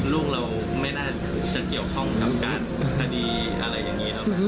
ลูกเราไม่น่าจะเกี่ยวข้องกับการคดีอะไรอย่างนี้ครับ